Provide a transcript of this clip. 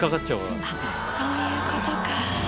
あっそういうことか。